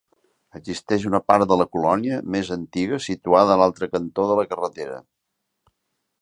Existeix una part de la colònia, més antiga, situada a l'altre cantó de la carretera.